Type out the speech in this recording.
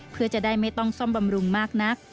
เพื่อจะได้ไม่ต้องซ่อมบำรุงมากนัก